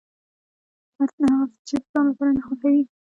هر هغه څه چې د ځان لپاره نه خوښوې.